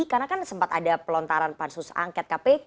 karena kan sempat ada pelontaran pansus angket kpk